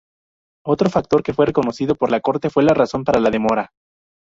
Otro factor que fue reconocido por una Corte fue la razón para la demora.